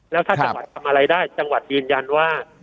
แล้วถ้าจังหวัดทำอะไรได้จังหวัดยืนยันว่า